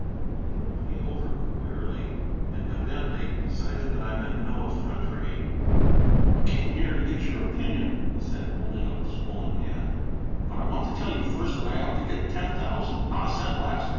He looked me over queerly, and evidently decided that I meant no effrontery. "I came here to get your opinion," he said, holding up a swollen hand, "but I want to tell you first that I ought to get ten thousand, not a cent less.